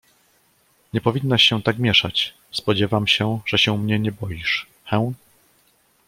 "Nie powinnaś się tak mieszać; spodziewam się, że się mnie nie boisz, hę?"